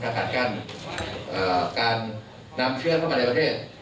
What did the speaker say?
วันนี้เรากำลังชัดการการนำวิวเข้ามาในประเทศ